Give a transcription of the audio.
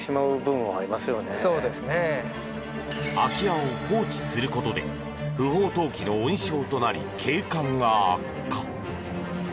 空き家を放置することで不法投棄の温床となり景観が悪化。